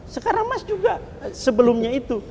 sekarang mas juga sebelumnya itu